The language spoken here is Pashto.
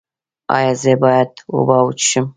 ایا زه باید اوبه وڅښم؟